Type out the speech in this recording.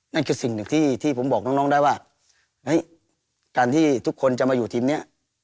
นั่นคือสิ่งหนึ่งที่ผมบอกน้องได้ว่าเฮ้ยการที่ทุกคนจะมาอยู่ทีมนี้